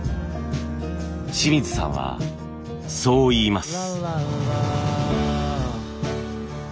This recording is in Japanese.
清水さんはそう言います。